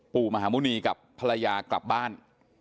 ปู่มหาหมุณีกับภรรยากลับบ้าน